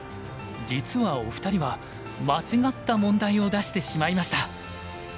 実はお二人は間違った問題を出してしまいました。